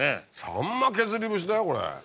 さんま削り節だよこれ。